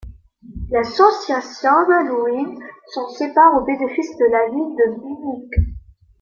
L'association malouine s'en sépare au bénéfice de la ville de Binic.